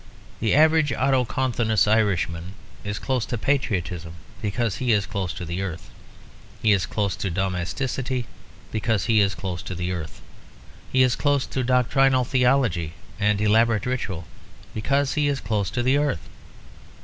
The average autochthonous Irishman is close to patriotism because he is close to the earth; he is close to domesticity because he is close to the earth; he is close to doctrinal theology and elaborate ritual because he is close to the earth.